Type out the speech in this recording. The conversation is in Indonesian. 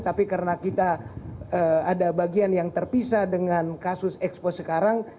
tapi karena kita ada bagian yang terpisah dengan kasus expo sekarang